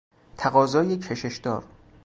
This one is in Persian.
تقاضای کشش دار